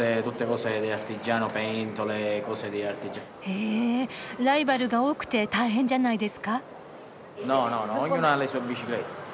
へえライバルが多くて大変じゃないですか？